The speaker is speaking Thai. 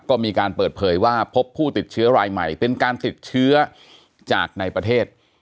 ก็มีการเปิดเผยว่าพบผู้ติดเชื้อรายใหม่เป็นการติดเชื้อจากในประเทศ